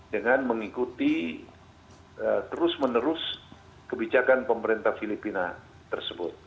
dengan mengikuti terus menerus kebijakan pemerintah filipina tersebut